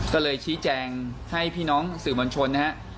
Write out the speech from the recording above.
ก็เลยชี้แจงให้พี่น้องสื่อมวลชนนะฮะ